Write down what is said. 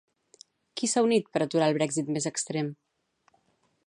Qui s'ha unit per aturar el Brexit més extrem?